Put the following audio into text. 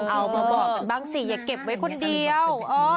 เอามาบอกกันบ้างสิอย่าเก็บไว้คนเดียว